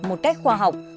một cách khoa học